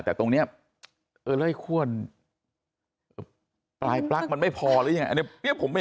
แต่ตรงเนี่ยอะไรควรปลายปลั๊กมันไม่พอหรือยังไง